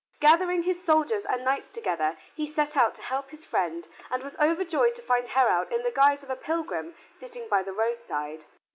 Gathering his soldiers and knights together he set out to help his friend and was overjoyed to find Heraud in the guise of a pilgrim sitting by the roadside.